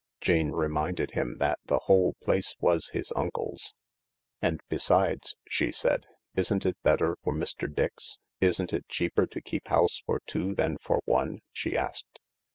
Jane reminded him that the whole place was his uncle's. " And besides," she said, " isn't it better for Mr. Dix ? Isn't it cheaper to keep house for two than for one ?" she asked.